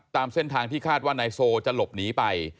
ตามเส้นทางที่คาดว่านายโซจะหลบหนีไป